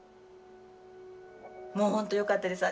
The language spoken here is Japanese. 「もうほんとよかったです。